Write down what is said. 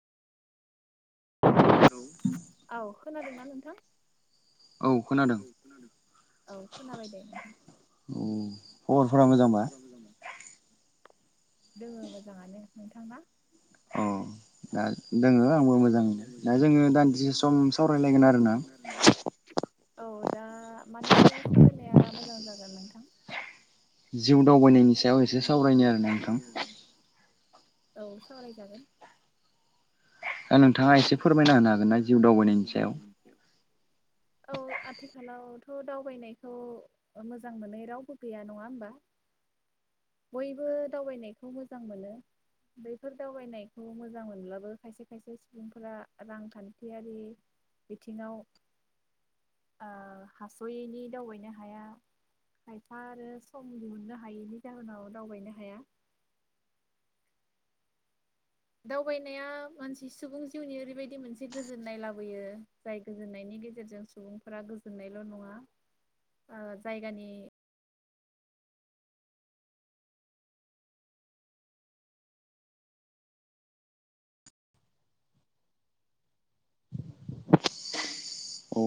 औ खोनादोंना नोंथां? औ खोनादों औ खोनाबाय दे। खबरफोरा मोजांबा। दङ मोजाङानो नोंथांना? दा दोङो आंबो मोजाङैनो दा जोङो दान्दिसे सम सावरायलायगोन आरोना। औ दा मानि सायाव सालरायनाया मोजां जागोन नोंथां। जिउ दावबायनायनि सायाव एसे सावरायनो आरोना नोंथां। औ सावरायजागोन। दा नोंथाङा एसे फोरमायना होनो हागोनना जिउ दावबायनायनि सायाव। औ आथिखालावथ' दावबायनायखौ मोजां मोनै रावबो गैया नङा होमबा? बयबो दावबायनायखौ मोजां मोनो। बफोर दावबायनायखौ मोजां मोनब्लाबो खायसे खायसे फोरा रांखान्थियारि बिथिङाव ओ हास'यैनि दावबायनो हाया। खायफा आरो सम दिहुननो हायैनि जाहोनाव दावबायनो हाया। दावबायनाया मानसि सुबुं जिउनि ओरैबायदि मोनसे गोजोननाय लाबोयो जाय गोजोननायनि गेजेरजों सुबुंफोरा गोजोननायल' नङा जायगानि